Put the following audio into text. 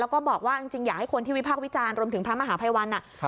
ก็บอกว่าอยากให้คนที่วิภาควิจารณ์รมถึงพระมหาภัยวัล